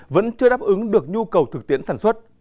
vẫn chưa đáp ứng được nhu cầu thực tiễn sản xuất